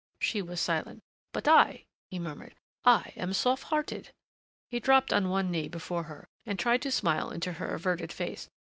She was silent. "But I," he murmured, "I am soft hearted." He dropped on one knee before her and tried to smile into her averted face.